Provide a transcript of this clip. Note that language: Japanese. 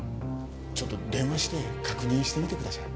ちょっと電話して確認してみてください。